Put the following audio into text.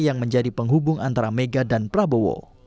yang menjadi penghubung antara mega dan prabowo